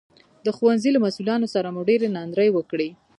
د ښوونځي له مسوولانو سره مو ډېرې ناندرۍ وکړې